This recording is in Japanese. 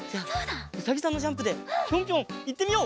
うさぎさんのジャンプでぴょんぴょんいってみよう！